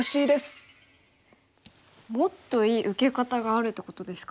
もっといい受け方があるってことですか？